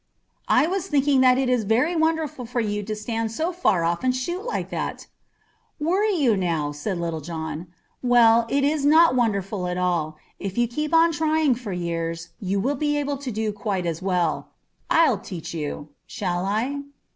"I was thinking that it is very wonderful for you to stand so far off and shoot like that." "Were you, now?" said Little John. "Well, it is not wonderful at all. If you keep on trying for years you will be able to do it quite as well. I'll teach you. Shall I?"